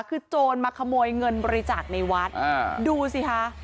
คือโจรมาขโมยเงินบริจาคในวัดดูสิคะ